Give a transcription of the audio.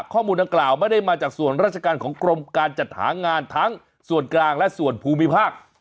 ข้อมูลดังกล่าวไม่ได้มาจากส่วนราชการของกรมการจัดหางานทั้งส่วนกลางและส่วนภูมิภาค